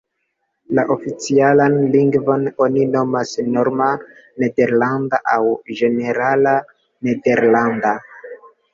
La oficialan lingvon oni nomas Norma Nederlanda, aŭ Ĝenerala Nederlanda.